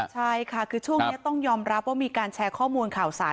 ใช่ค่ะคือช่วงนี้ต้องยอมรับว่ามีการแชร์ข้อมูลข่าวสาร